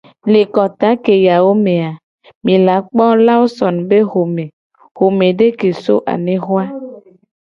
Le kota keya me a, mi la kpo lawson be xome, xomede ke so anexo a.